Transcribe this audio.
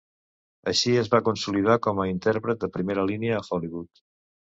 Així es va consolidar com a intèrpret de primera línia a Hollywood.